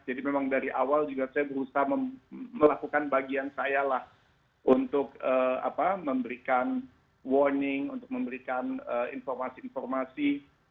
jadi memang dari awal saya berusaha melakukan bagian saya untuk memberikan warning untuk memberikan informasi informasi